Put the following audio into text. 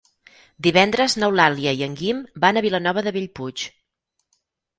Divendres n'Eulàlia i en Guim van a Vilanova de Bellpuig.